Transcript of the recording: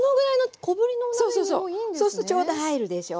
そうするとちょうど入るでしょ。